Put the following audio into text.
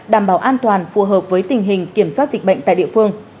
đảm bảo an toàn phù hợp với tình hình kiểm soát dịch bệnh tại địa phương